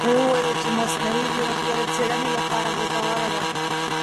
هغې وویل مصنوعي ځیرکتیا د څېړنو لپاره ګټوره ده.